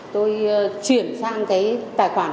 tôi chuyển sang cái tài khoản của